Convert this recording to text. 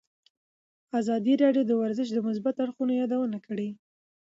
ازادي راډیو د ورزش د مثبتو اړخونو یادونه کړې.